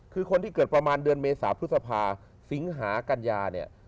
คือคนที่เกิดประมาณเดือนเมษาพฤษภาสิงหากัญญาเนี่ย